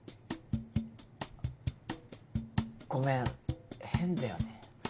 ごめん変だよね。